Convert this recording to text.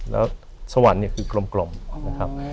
แล้วสวรรค์เนี่ยคือกลมนะครับ